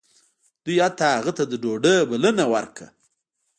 دوی حتی هغه ته د ډوډۍ بلنه ورکړه